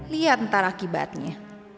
lihat ntar akibatnya